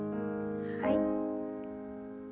はい。